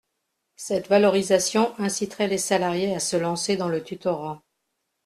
Cette valorisation inciterait les salariés à se lancer dans le tutorat.